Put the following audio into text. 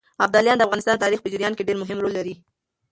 ابداليان د افغانستان د تاريخ په جريان کې ډېر مهم رول لري.